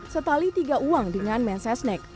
setali tiga uang dengan mensesnek